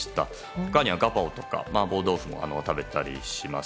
他にはガパオとか麻婆豆腐とかも食べたりします。